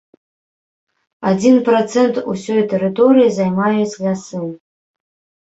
Адзін працэнт усёй тэрыторыі займаюць лясы.